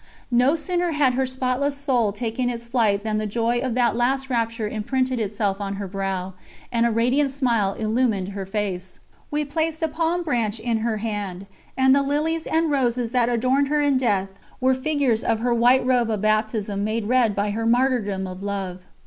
No sooner had her spotless soul taken its flight than the joy of that last rapture imprinted itself on her brow, and a radiant smile illumined her face. We placed a palm branch in her hand; and the lilies and roses that adorned her in death were figures of her white robe of baptism made red by her Martyrdom of Love.